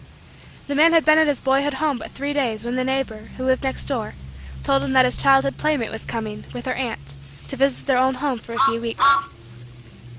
The man had been at his boyhood home but three days when the neighbor, who lived next door, told him that his childhood playmate was coming, with her aunt, to visit their old home for a few weeks.